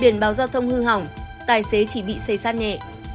biển báo giao thông hư hỏng tài xế chỉ bị xây sát nhẹ